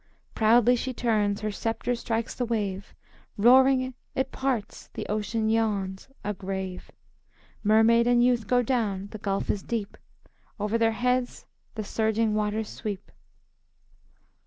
Proudly she turns; her sceptre strikes the wave, Roaring, it parts; the ocean yawns, a grave. Mermaid and youth go down; the gulf is deep. Over their heads the surging waters sweep.